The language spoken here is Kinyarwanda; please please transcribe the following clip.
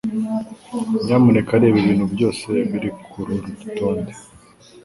Nyamuneka reba ibintu byose biri kururu rutonde.